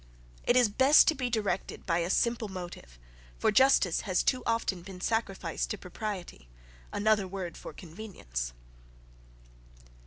It is best to be directed by a simple motive for justice has too often been sacrificed to propriety; another word for convenience.)